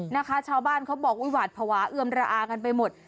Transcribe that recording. นะคะชาวบ้านเขาบอกอุ๊หวาดภาวะเอือมระอากันไปหมด